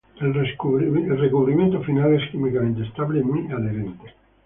El recubrimiento final es químicamente estable y muy adherente.